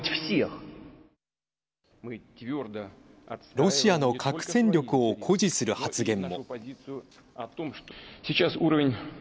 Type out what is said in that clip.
ロシアの核戦力を誇示する発言も。